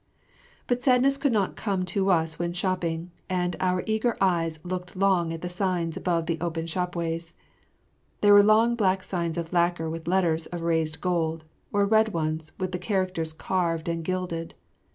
] But sadness could not come to us when shopping, and our eager eyes looked long at the signs above the open shopways. There were long black signs of lacquer with letters of raised gold, or red ones with the characters carved and gilded.